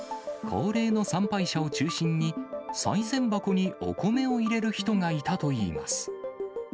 高齢の参拝者を中心に、さい銭箱にお米を入れる人がいたといいます。